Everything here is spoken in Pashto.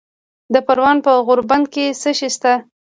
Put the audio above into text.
د پروان په غوربند کې څه شی شته؟